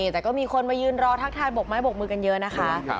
แต่ก็มีคนมายืนรอทักทายบกไม้บกมือกันเยอะนะคะ